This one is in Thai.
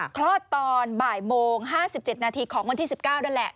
คลอดตอนบ่ายโมง๕๗นาทีของวันที่๑๙นั่นแหละ